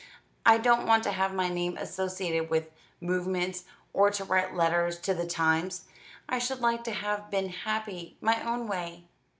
"I don't want to have my name associated with 'movements,' or to write letters to The Times. I should like to have been happy my own way."